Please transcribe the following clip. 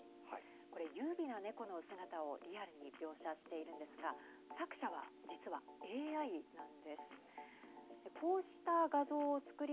これ優美な猫の姿をリアルに描写しているんですが作者は実はＡＩなんです。